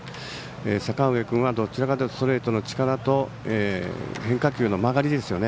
阪上君は、どちらかというとストレートの力と変化球の曲がりですよね。